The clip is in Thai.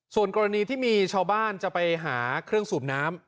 ส่วนกรณีที่มีชาวบ้านจะไปหาเครื่องสูบน้ำ